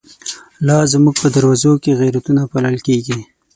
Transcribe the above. لازموږ په دروازوکی، غیرتونه پالل کیږی